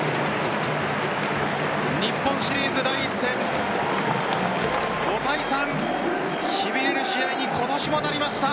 日本シリーズ第１戦５対３しびれる試合に今年もなりました。